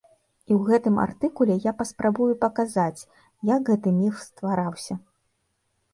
І ў гэтым артыкуле я паспрабую паказаць, як гэты міф ствараўся.